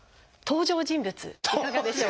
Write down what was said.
登場人物。